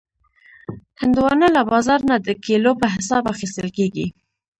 هندوانه له بازار نه د کیلو په حساب اخیستل کېږي.